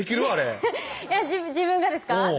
あれ自分がですか？